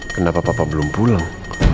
kenapa papa belum pulang